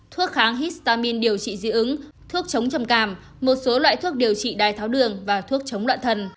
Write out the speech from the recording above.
thuốc kháng histamine điều trị dưỡng thuốc chống chầm càm một số loại thuốc điều trị đai tháo đường và thuốc chống loạn thần